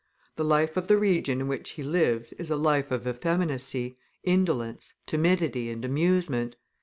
The life of the region in which he lives is a life of effeminacy, indolence, timidity, and amusement.